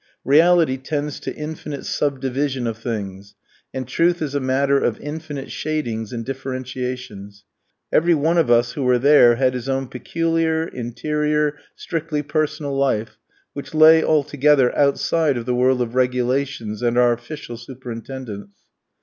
Reality tends to infinite subdivision of things, and truth is a matter of infinite shadings and differentiations. Every one of us who were there had his own peculiar, interior, strictly personal life, which lay altogether outside of the world of regulations and our official superintendence.